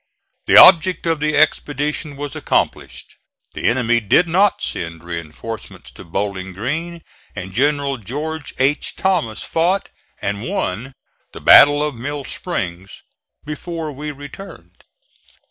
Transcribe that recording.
The object of the expedition was accomplished. The enemy did not send reinforcements to Bowling Green, and General George H. Thomas fought and won the battle of Mill Springs before we returned.